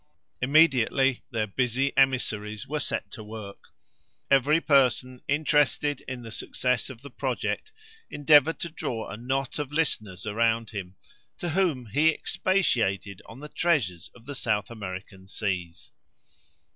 Immediately their busy emissaries were set to work. Every person interested in the success of the project endeavoured to draw a knot of listeners around him, to whom he expatiated on the treasures of the South American seas.